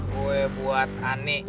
kue buat ani